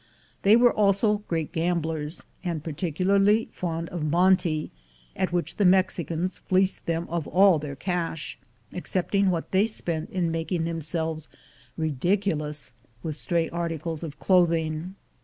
They were also great gamblers, and particularly fond of monte, at which the Mexicans fleeced them of all their cash, excepting what they spent in making themselves ridiculous with stray articles of clothing.